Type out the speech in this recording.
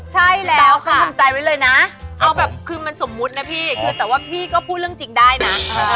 ใช่แล้วเขาทำใจไว้เลยนะเอาแบบคือมันสมมุตินะพี่คือแต่ว่าพี่ก็พูดเรื่องจริงได้นะ